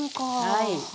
はい。